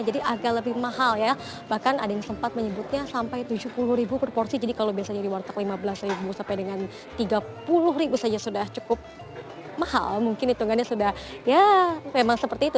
jadi agak lebih mahal ya bahkan ada yang sempat menyebutnya sampai tujuh puluh ribu proporsi jadi kalau biasanya di warteg lima belas ribu sampai dengan tiga puluh ribu saja sudah cukup mahal mungkin hitungannya sudah ya memang seperti itu